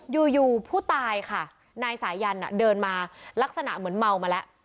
อยู่ผู้ตายค่ะนายสายันเดินมาลักษณะเหมือนเมามาแล้ว